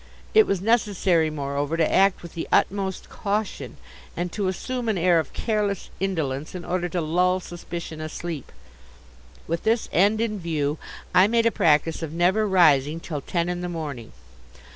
It was necessary, moreover, to act with the utmost caution and to assume an air of careless indolence in order to lull suspicion asleep. With this end in view I made a practice of never rising till ten in the morning.